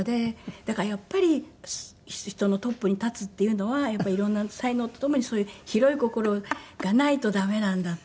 だからやっぱり人のトップに立つっていうのはやっぱり色んな才能とともにそういう広い心がないと駄目なんだ」って。